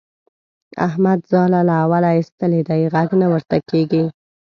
احمد ځان له اوله اېستلی دی؛ غږ نه ورته کېږي.